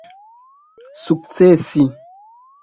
sukcesi